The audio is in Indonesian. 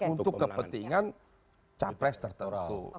untuk kepentingan capres tertentu